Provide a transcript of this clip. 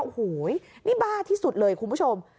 โอ้โหนี่บ้าที่สุดเลยคุณผู้ชม